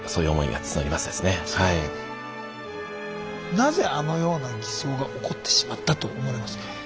なぜあのような偽装が起こってしまったと思われますか？